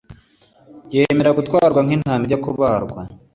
Yemera gutwarwa nk intama ijya kubagwa